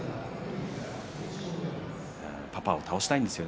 パパを倒したいんですね